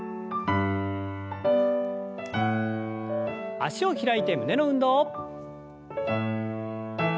脚を開いて胸の運動。